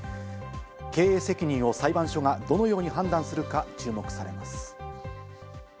経営責任を裁判所がどのように判断するか注目されます。